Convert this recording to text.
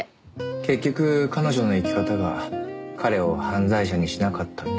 結局彼女の生き方が彼を犯罪者にしなかったって事ですか。